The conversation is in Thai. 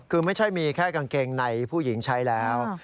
คือไม่ใช่มีแค่กางเกงในผู้หญิงใช้แล้ว